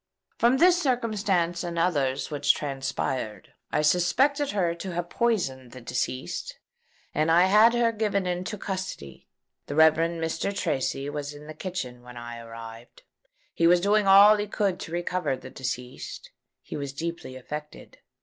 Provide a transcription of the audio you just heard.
From this circumstance and others which transpired, I suspected her to have poisoned the deceased; and I had her given into custody. The Rev. Mr. Tracy was in the kitchen when I arrived. He was doing all he could to recover the deceased. He was deeply affected.